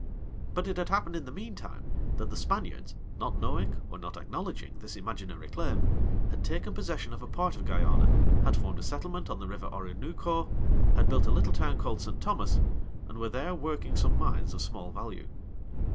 But it had happened in the mean time, that the Spaniards, not knowing, or not acknowledging, this imaginary claim, had taken possession of a part of Guiana, had formed a settlement on the River Oronooko, had built a little town called St. Thomas, and were there working some mines of small value.